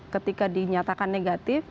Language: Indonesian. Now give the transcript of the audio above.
ketika dinyatakan negatif